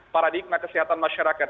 paradigma kesehatan masyarakat